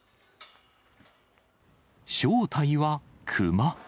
正体はクマ。